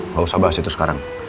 nggak usah bahas itu sekarang